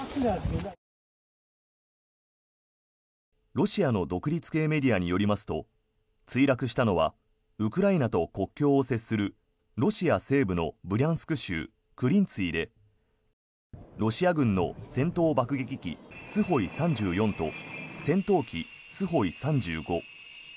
ロシアの独立系メディアによりますと墜落したのはウクライナと国境を接するロシア西部のブリャンスク州クリンツィでロシア軍の戦闘爆撃機Ｓｕ−３４と戦闘機Ｓｕ−３５